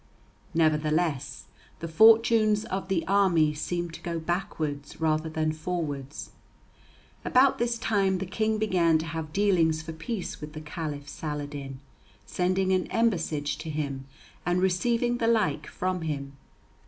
Nevertheless, the fortunes of the army seemed to go backwards rather than forwards. About this time the King began to have dealings for peace with the Caliph Saladin, sending an embassage to him, and receiving the like from him.